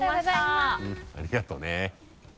ありがとうね。